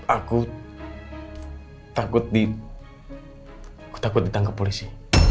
aku takut ditangkap polisi